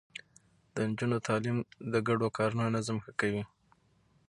د نجونو تعليم د ګډو کارونو نظم ښه کوي.